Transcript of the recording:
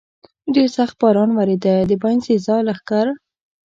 ډېر سخت باران ورېده، د باینسېزا لښکر.